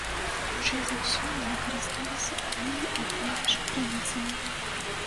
Хутчэй за ўсё, яны карысталіся аднымі і тымі ж крыніцамі.